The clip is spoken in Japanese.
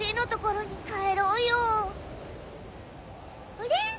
あれ？